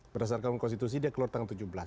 berdasarkan konstitusi dia keluar tanggal tujuh belas